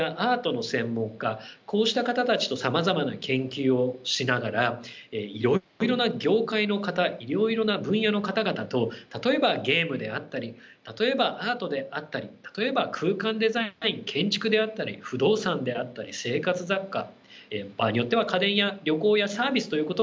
こうした方たちとさまざまな研究をしながらいろいろな業界の方いろいろな分野の方々と例えばゲームであったり例えばアートであったり例えば空間デザイン建築であったり不動産であったり生活雑貨場合によっては家電や旅行やサービスということもあるかもしれません。